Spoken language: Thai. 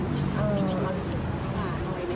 ถามหนิงก็จะยืนว่าน้อยไหมคะ